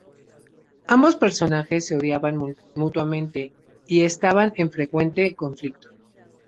Ambos personajes se odiaban mutuamente y estaban en frecuente conflicto.